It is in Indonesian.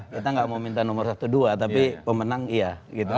kita nggak mau minta nomor satu dua tapi pemenang iya